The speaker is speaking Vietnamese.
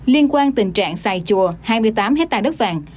liên quan tình trạng xài chùa hai mươi tám hectare đất vàng